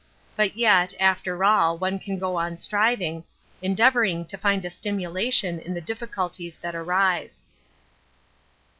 But yet, after all, one can go on striving, endeavouring to find a stimulation in the difficulties that arise.